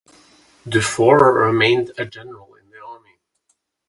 Dufour remained a General in the army.